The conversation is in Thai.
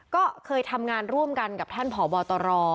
ก็เคยทำงานร่วมกันกับท่านผอบตร